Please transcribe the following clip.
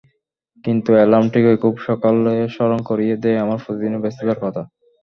কিন্তু অ্যালার্ম ঠিকই খুব সকালে স্মরণ করিয়ে দেয় আমার প্রতিদিনের ব্যস্ততার কথা।